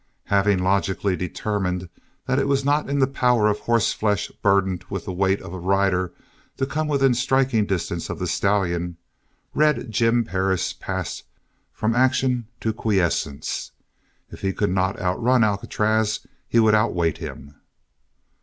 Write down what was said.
Having logically determined that it was not in the power of horse flesh burdened with the weight of a rider to come within striking distance of the stallion, Red Jim Perris passed from action to quiescence. If he could not outrun Alcatraz he would outwait him.